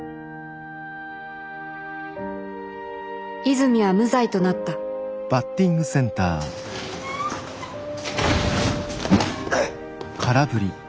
泉は無罪となったふっ！